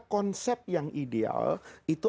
konsep yang ideal itu